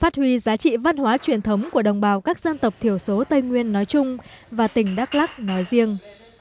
phát huy giá trị văn hóa truyền thống của đồng bào các dân tộc thiểu số tây nguyên nói chung và tỉnh đắk lắc nói riêng